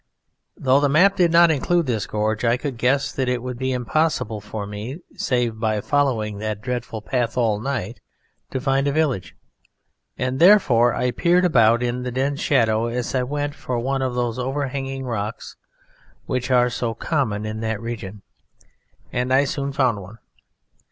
Though the map did not include this gorge, I could guess that it would be impossible for me, save by following that dreadful path all night, to find a village, and therefore I peered about in the dense shadow as I went for one of those overhanging rocks which are so common in that region, and soon I found one.